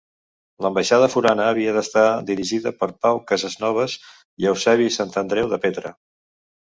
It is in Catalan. L’ambaixada forana havia d’estar dirigida per Pau Casesnoves i Eusebi Santandreu, de Petra.